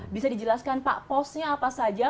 bisa dijelaskan pak posnya apa saja